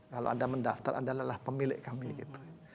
kalau anda mendaftar anda adalah pemilik kami gitu